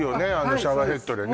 シャワーヘッドでね